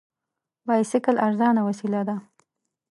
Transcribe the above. بایسکل ارزانه وسیله ده.